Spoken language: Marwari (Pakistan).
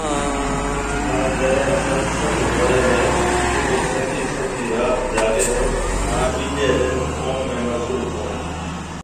پڻ جڏي ست سنگ هوئي هي تو او سجي سجي رات جاگي هي هان ٻيجي ڏن ڪوم ۾ مصروف هوئي